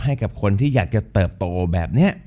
ให้กับคนที่อยากจะเติบโตแบบนี้